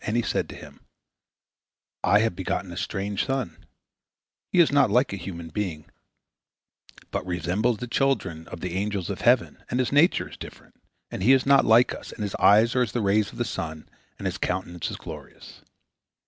And he said to him: "I have begotten a strange son; he is not like a human being, but resembles the children of the angels of heaven, and his nature is different, and he is not like us, and his eyes are as the rays of the sun, and his countenance is glorious.